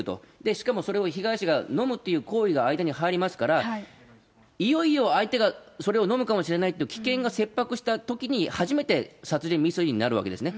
しかもそれを被害者が飲むっていう行為が間に入りますから、いよいよ相手がそれを飲むかもしれないっていう危険が切迫したときに、初めて殺人未遂になるわけですね。